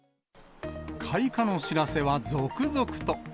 開花の知らせは続々と。